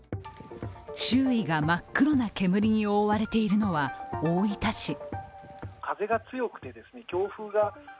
周囲が真っ黒な煙に覆われているのは、大分市。